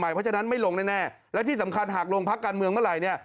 เพราะฉะนั้นไม่ลงแน่และที่สำคัญหากลงพักการเมืองเมื่อไหร่เนี่ย